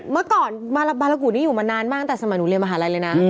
เมื่อก่อนบารกูนี่อยู่มานานมากตั้งแต่สมัยหนูเรียนมหาลัยเลยนะ